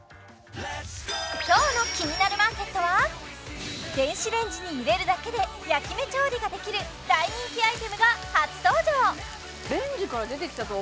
今日の「キニナルマーケット」は電子レンジに入れるだけで焼き目調理ができる大人気アイテムが初登場！